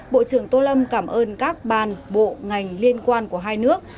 bộ trưởng tô lâm cảm ơn các bàn bộ ngành liên quan của hai nước